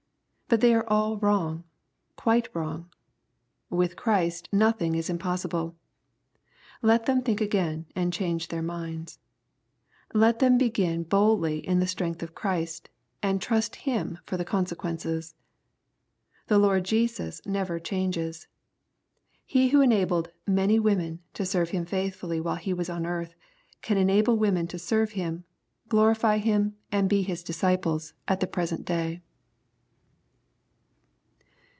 — But they are all wrong, quite wrong. With Christ nothing is impossible. Let them think again, and change their minds. Let them begin boldly in the strength of Christ, and trust Him for the consequences. The Lord Jesus never changes. He who enabled "many women*' to serve Him faithfdlly while He was on earth, can enable women to serve Him, glorify Him, and be His disciples at the present day.